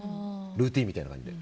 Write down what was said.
ルーティンみたいな感じで。